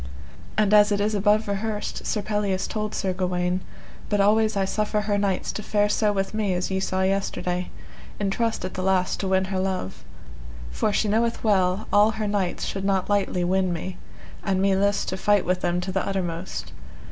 And as it is above rehearsed, Sir Pelleas told Sir Gawaine: But always I suffer her knights to fare so with me as ye saw yesterday, in trust at the last to win her love, for she knoweth well all her knights should not lightly win me, an me list to fight with them to the uttermost.